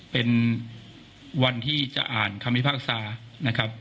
เป็นวันที่จะอ่านคำพิพากษานะครับ